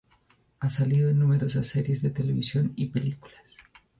Ha salido en numerosas series de televisión y películas.